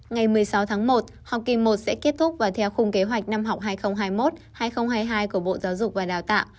ngày một mươi sáu tháng một học kỳ một sẽ kết thúc và theo khung kế hoạch năm học hai nghìn hai mươi một hai nghìn hai mươi hai của bộ giáo dục và đào tạo